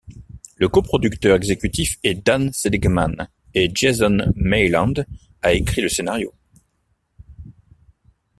Le co-producteur executif est Dan Seligmann et Jason Mayland a écrit le scénario.